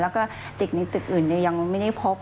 แล้วก็เด็กนี้เต็กอื่นยังไม่ได้พบ